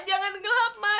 jangan gelap mata